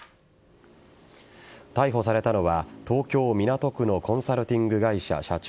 逮捕されたのは東京・港区のコンサルティング会社社長